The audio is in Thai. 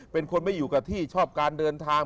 เป็นคนไม่อยู่กับที่ชอบการเดินทาง